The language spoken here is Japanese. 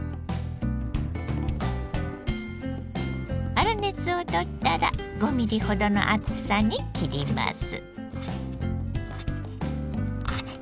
粗熱を取ったら５ミリほどの厚さに切ります。